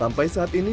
sampai saat ini